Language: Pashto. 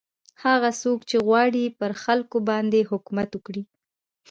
هغه څوک چې غواړي پر خلکو باندې حکومت وکړي.